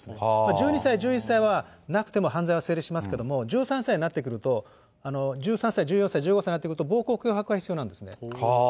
１１歳、１２歳はなくても犯罪は成立しますけれども、１３歳になってくると、１３歳、１４歳、１５歳になってくると暴行脅迫が必要なんですね。